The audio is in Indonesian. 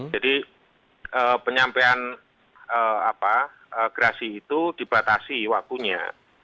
jadi penyampaian apa grasi itu dibatasi waktunya